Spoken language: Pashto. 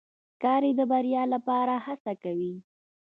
ښکاري د بریا لپاره هڅه کوي.